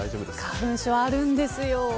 花粉症あるんですよ。